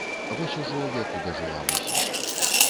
Вось ужо веку дажыла, мусіць.